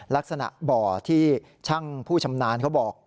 ลักษณะบ่อที่ช่างผู้ชำนาญเขาบอก